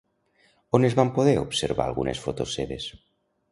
On es van poder observar algunes fotos seves?